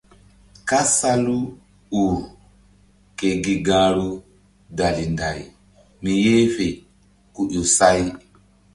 Kasal u ur ke gi gahru dali nday mi yeh fe ku ƴo say.